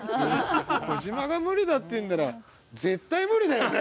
小島が無理だって言うんなら絶対無理だよね。